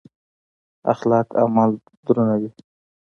اخلاص عمل دروندوي